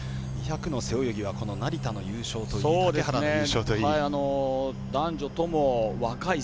２００ｍの背泳ぎは成田の優勝といい竹原の優勝といい。